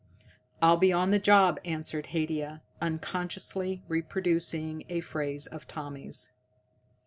"I'll be on the job," answered Haidia, unconsciously reproducing a phrase of Tommy's.